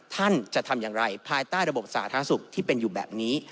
ท่านจะทำอย่างไรภายใต้ระบบสาธารณสุขที่เป็นอยู่แบบนี้